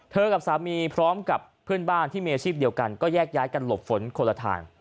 กับสามีพร้อมกับเพื่อนบ้านที่มีอาชีพเดียวกันก็แยกย้ายกันหลบฝนคนละทาง